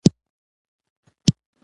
تر دې زنګ وهلي ټوپک دې ځار شم.